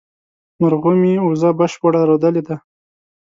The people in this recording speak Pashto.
مرغومي، وزه بشپړه رودلې ده